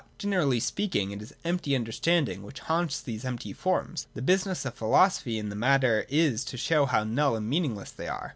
Generally speaking, it is the empty understanding which haunts these empty forms : and the business of philo sophy in the matter is to show how null and meaningless they are.